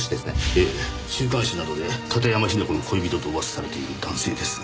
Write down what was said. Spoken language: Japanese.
ええ週刊誌などで片山雛子の恋人と噂されている男性です。